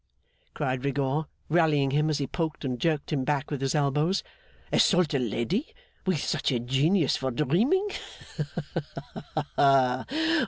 cried Rigaud, rallying him as he poked and jerked him back with his elbows, 'assault a lady with such a genius for dreaming! Ha, ha, ha!